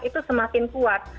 itu semakin kuat